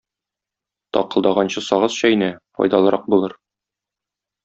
Такылдаганчы сагыз чәйнә - файдалырак булыр.